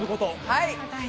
はい。